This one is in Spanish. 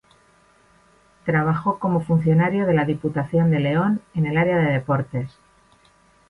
Trabajó como funcionario de la Diputación de León en el área de deportes.